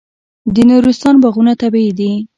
د نورستان باغونه طبیعي دي.